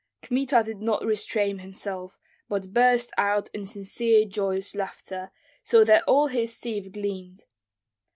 Kmita did not restrain himself, but burst out in sincere, joyous laughter, so that all his teeth gleamed.